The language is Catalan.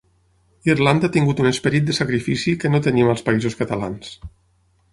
Irlanda ha tingut un esperit de sacrifici que no tenim als Països Catalans.